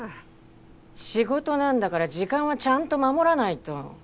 仕事なんだから時間はちゃんと守らないと。